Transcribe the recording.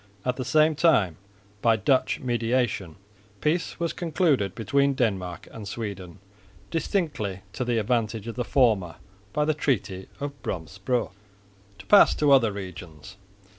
At the same time by Dutch mediation peace was concluded between Denmark and Sweden, distinctly to the advantage of the former, by the treaty of Brömsebro. To pass to other regions.